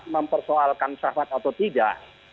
mempersoalkan syahwat atau tidak